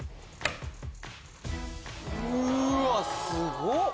うわすごっ！